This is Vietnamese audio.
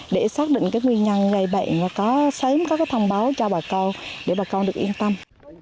để xác định cái nguyên nhân gây bệnh và có sớm có cái thông báo cho bà con để bà con được yên tâm